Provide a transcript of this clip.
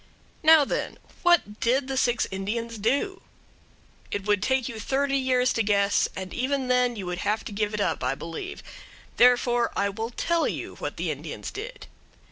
Now, then, what did the six Indians do? It would take you thirty years to guess, and even then you would have to give it up, I believe. Therefore, I will tell you what the Indians did.